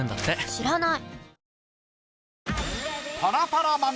知らない！